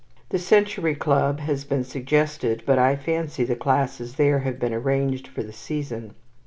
The Century Club has been suggested, but I fancy the classes there have been arranged for the season.